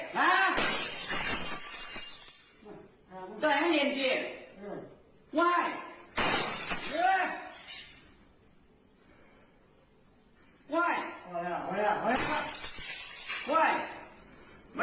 ซะซะซะร้อนไงมา